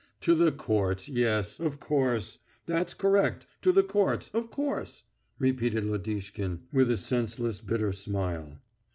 "To the courts ... yes ... of course.... That's correct, to the courts, of course...," repeated Lodishkin, with a senseless bitter smile.